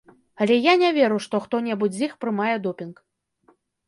Але я не веру, што хто-небудзь з іх прымае допінг.